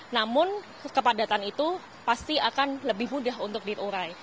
namun kepadatan itu pasti akan lebih mudah untuk diurai